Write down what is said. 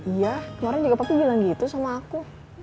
iya kemaren juga papi bilang gitu sama aku